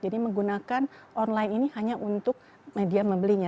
menggunakan online ini hanya untuk media membelinya